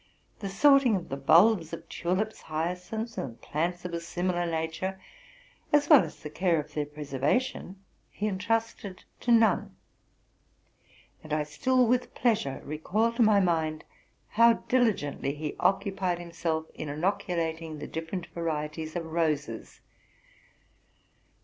The sorting of the bulbs of tulips, hyacinths, and plants of a similar nature, as well as the care of their preservation, he intrusted to none; and I still with pleasure recall to my mind how diligently he occu pied himself in inoculating the different varieties of roses.